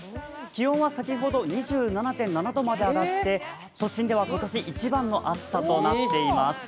気温は先ほど２７．７度まで上がって都心では今年一番の暑さとなっています。